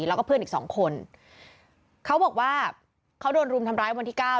แล้วก็เพื่อนอีกสองคนเขาบอกว่าเขาโดนรุมทำร้ายวันที่เก้า